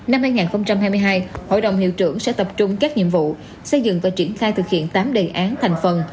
năm hai nghìn hai mươi hai hội đồng hiệu trưởng sẽ tập trung các nhiệm vụ xây dựng và triển khai thực hiện tám đề án thành phần